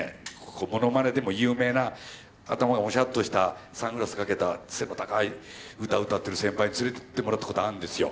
ものまねでも有名な頭がもしゃっとしたサングラスかけた背の高い歌歌ってる先輩に連れてってもらったことがあるんですよ。